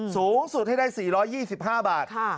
สูงสุดให้ได้๔๒๕บาท